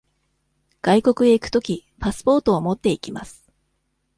外国へ行くとき、パスポートを持って行きます。